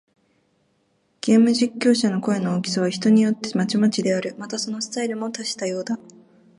ゲーム実況者の声の大きさは、人によってまちまちである。また、そのスタイルも多種多様だ。